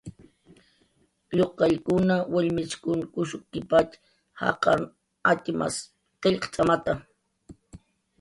Lluqallkuna, wallmichkun kushukkipatx jaqarn atxmas qillqt'amata.